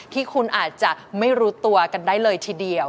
ที่คุณอาจจะไม่รู้ตัวกันได้เลยทีเดียว